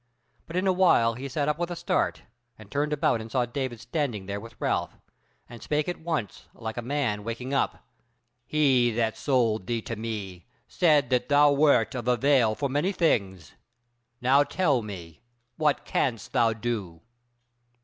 But in a while he sat up with a start, and turned about and saw David standing there with Ralph, and spake at once like a man waking up: "He that sold thee to me said that thou wert of avail for many things. Now tell me, what canst thou do?"